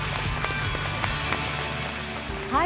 はい。